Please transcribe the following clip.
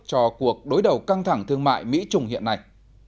cho cuộc đối đầu căng thẳng thương mại mỹ trung hiện nay